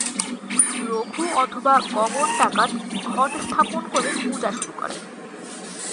রঘু অথবা গগন ডাকাত ঘট স্থাপন করে পূজা শুরু করে।